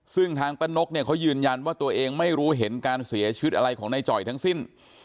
ซึ่งทางป้านกเนี่ยเขายืนยันว่าตัวเองไม่รู้เห็นการเสียชีวิตอะไรของนายจ่อยทั้งสิ้น